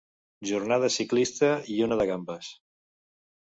Jornada ciclista i una de gambes.